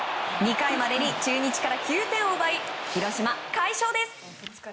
２回までに中日から９点を奪い広島、快勝です。